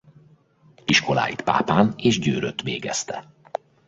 Iskoláit Pápán és Győrött végezte.